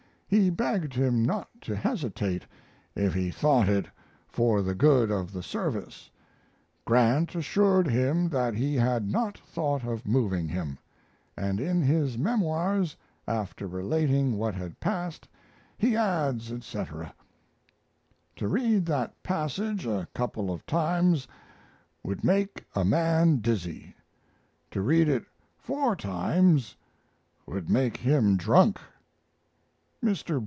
He begged him not to hesitate if he thought it for the good of the service. Grant assured him that he had not thought of moving him, and in his memoirs, after relating what had passed, he adds, etc." To read that passage a couple of times would make a man dizzy; to read it four times would make him drunk. Mr.